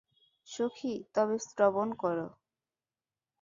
সখী, তবে শ্রবণ করো।